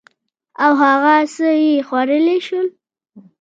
او هغه څه چې خوړلي يې شول